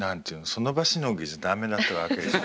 その場しのぎじゃ駄目だってわけでしょ？